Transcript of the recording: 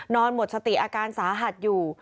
หมดสติอาการสาหัสอยู่